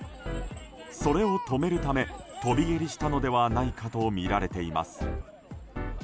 それを止めるため飛び蹴りしたのではないかとみられています。